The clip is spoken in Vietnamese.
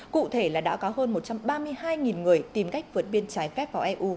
cụ thể là đã có hơn một trăm ba mươi hai người tìm cách vượt biên trái phép vào eu